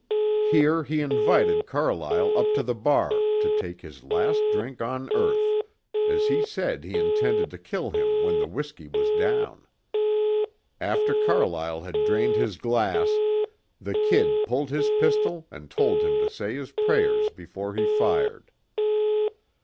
Here he invited Carlyle up to the bar to take his last drink on earth as he said he intended to kill him when the whiskey was down. After Carlyle had drained his glass the "Kid" pulled his pistol and told him to say his prayers before he fired.